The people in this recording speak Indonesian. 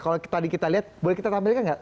kalau tadi kita lihat boleh kita tampilkan nggak